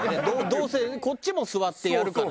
どうせこっちも座ってやるからね。